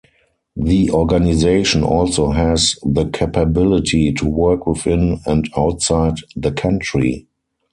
The organisation also has the capability to work within and outside the country.